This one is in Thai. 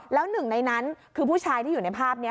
แล้วหนึ่งในนั้นคือผู้ชายที่อยู่ในภาพนี้